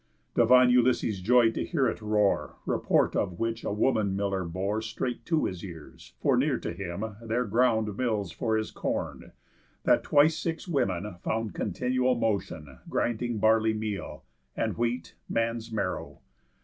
Divine Ulysses joy'd to hear it roar. Report of which a woman miller bore Straight to his ears; for near to him there ground Mills for his corn, that twice six women found Continual motion, grinding barley meal, And wheat, man's marrow.